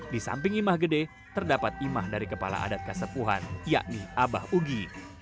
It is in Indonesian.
di samping imah gede terdapat imah dari kepala adat kasepuhan yakni abah ugi